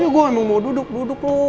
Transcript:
iya gue emang mau duduk duduk lo